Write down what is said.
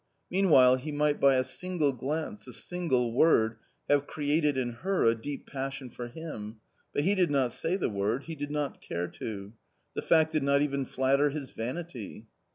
Meanwhile he might by a single glance, a single word, have created in her a deep passion for him ; but he did not say the word, he did not care to. The fact did not even flatter his vanity.